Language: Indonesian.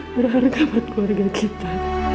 berharga buat keluarga kita